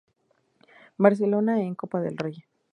Barcelona en Copa del Rey.